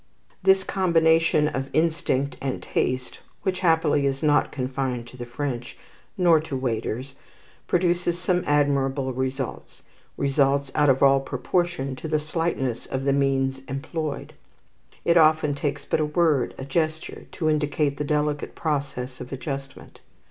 This combination of instinct and taste which happily is not confined to the French, nor to waiters produces some admirable results, results out of all proportion to the slightness of the means employed. It often takes but a word, a gesture, to indicate the delicate process of adjustment.